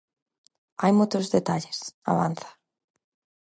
Hai moitos detalles, avanza.